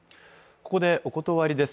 ここでおことわりです。